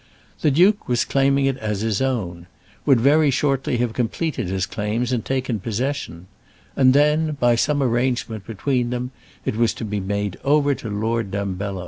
The duke was claiming it as his own would very shortly have completed his claims and taken possession; and then, by some arrangement between them, it was to be made over to Lord Dumbello.